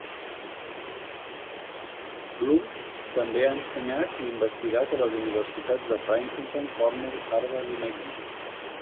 Bloom també ha ensenyat i investigat a les universitats de Princeton, Cornell, Harvard i McGill.